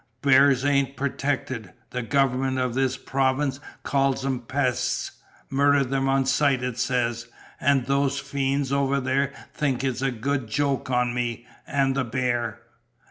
Bears ain't protected. The government of this province calls 'em 'pests.' Murder 'em on sight, it says. An' those fiends over there think it's a good joke on me an' the bear!"